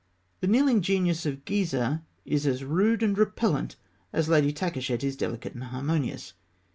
The kneeling genius of Gizeh is as rude and repellent as the Lady Takûshet is delicate and harmonious.